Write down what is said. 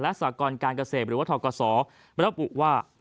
และศาลกรการเกษตรหรือว่าธปกษบรรทบุว่า